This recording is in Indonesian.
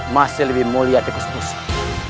masih lebih mulia tikus musik